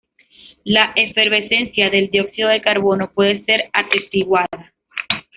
La efervescencia del dióxido de carbono puede ser atestiguada.